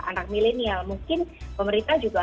anak milenial mungkin pemerintah juga